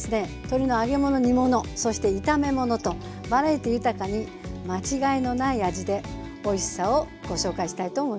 鶏の揚げ物煮物そして炒め物とバラエティー豊かに間違いのない味でおいしさをご紹介したいと思います。